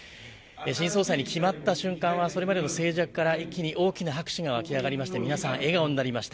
新総裁に決まった瞬間はそれまでの静寂から一気に大きな拍手が沸き上がりまして皆さん笑顔になりました。